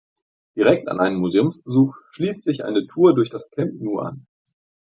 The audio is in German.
Direkt an einen Museumsbesuch schließt sich eine Tour durch das Camp Nou an.